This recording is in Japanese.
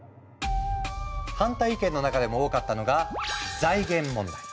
反対意見の中でも多かったのが財源問題。